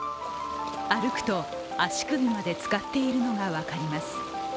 歩くと足首までつかっているのが分かります。